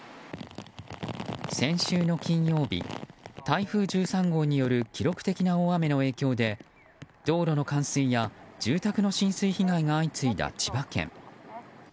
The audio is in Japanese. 先週の金曜日、台風１３号による記録的な大雨の影響で道路の冠水や住宅の浸水被害が相次いだ千葉県。